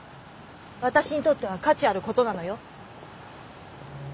私にとっては価値あることなのよ。